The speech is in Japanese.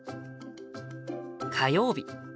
火曜日。